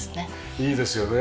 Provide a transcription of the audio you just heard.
いいですよね。